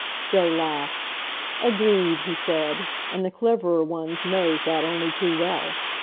Joe laughed. "Agreed!" he said. "And the cleverer ones knows that only too well.